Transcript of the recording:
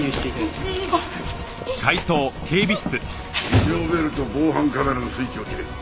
非常ベルと防犯カメラのスイッチを切れ。